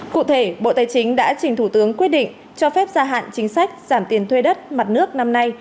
cụ thể bộ tài chính đã trình thủ tướng quyết định cho phép gia hạn chính sách giảm tiền thuê đất mặt nước năm nay